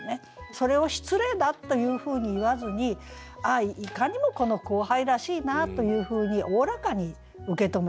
それを失礼だというふうに言わずにああいかにもこの後輩らしいなというふうにおおらかに受け止めている。